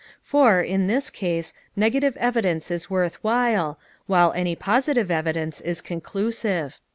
For, in this case, negative evidence is worth little, while any positive evidence is conclusive.